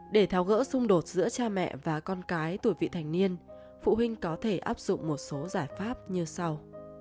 để tháo gỡ xung đột giữa cha mẹ và con cái tuổi vị thành niên phụ huynh có thể áp dụng một số giải pháp như sau